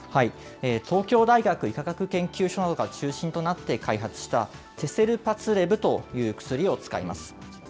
東京大学医科学研究所などが中心となって開発したテセルパツレブという薬を使います。